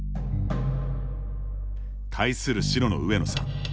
対する白の上野さん。